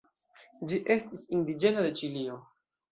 Ĝi estas indiĝena de Ĉilio.